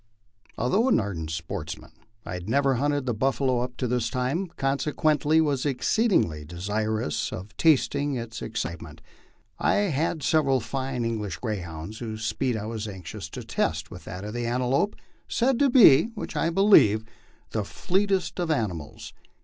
Although an ardent sportsman, I had never hunted the buffalo up to this time, consequently was exceedingly desirous of tasting of its excite ment. I had several fine English greyhounds, whose speed I was anxious to test with that of the antelope, said to be which I believe the fleetest of ani mals.